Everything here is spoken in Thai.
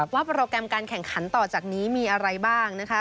โปรแกรมการแข่งขันต่อจากนี้มีอะไรบ้างนะคะ